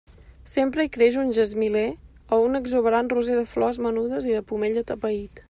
Sempre hi creix un gesmiler o un exuberant roser de flors menudes i de pomell atapeït.